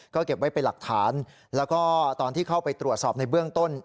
ก็เก็บไว้เป็นหลักฐานแล้วก็ตอนที่เข้าไปตรวจสอบในเบื้องต้น